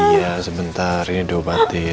iya sebentar ini diopatin